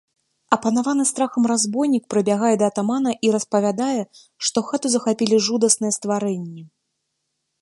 Апанаваны страхам разбойнік прыбягае да атамана і распавядае, што хату захапілі жудасныя стварэнні.